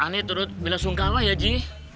aneh turut bila sungkawa ya ji